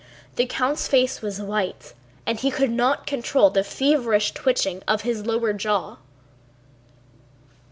The count's face was white and he could not control the feverish twitching of his lower jaw.